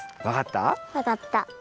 わかった。